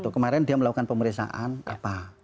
kemarin dia melakukan pemeriksaan apa